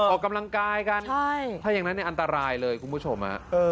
ออกกำลังกายกันถ้าอย่างนั้นอันตรายเลยคุณผู้ชม